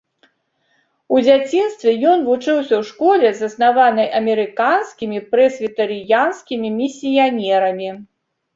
У дзяцінстве ён вучыўся ў школе, заснаванай амерыканскімі прэсвітарыянскімі місіянерамі.